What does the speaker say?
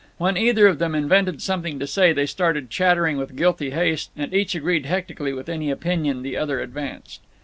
When either of them invented something to say they started chattering with guilty haste, and each agreed hectically with any opinion the other advanced.